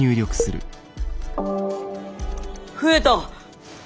増えた！